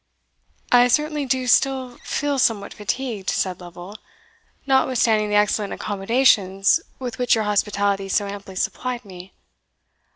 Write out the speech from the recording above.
"I certainly do still feel somewhat fatigued," said Lovel, "notwithstanding the excellent accommodations with which your hospitality so amply supplied me."